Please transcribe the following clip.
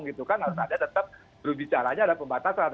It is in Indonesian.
kalau tidak ada tetap jurubicaranya ada pembatasan